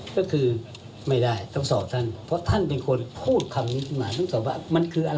ผมส่งประชาแน่คนละประเด็นหนึ่ง